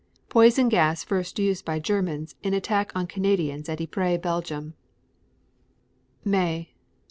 Poison gas first used by Germans in attack on Canadians at Ypres, Belgium. May 1.